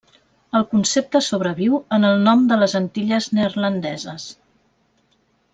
El concepte sobreviu en el nom de les Antilles Neerlandeses.